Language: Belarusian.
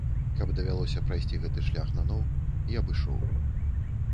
Каб давялося прайсці гэты шлях наноў, я б ішоў.